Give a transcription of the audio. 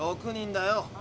６人だよ。